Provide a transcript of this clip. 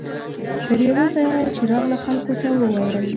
تر یوه ځایه چې راغله خلکو ته یې وویل.